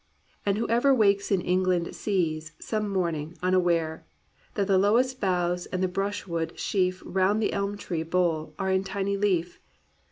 And whoever wakes in England Sees, some morning, unaware, That the lowest boughs and the brush wood sheaf Bound the elm tree bole are in tiny leaf.